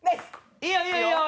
いいよいいよいいよ！